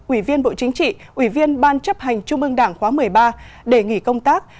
ủy viên bộ chính trị ủy viên ban chấp hành trung ương đảng khóa một mươi ba để nghỉ công tác